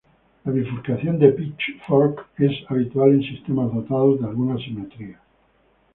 La bifurcación de Pitchfork es habitual en sistemas dotados de alguna simetría.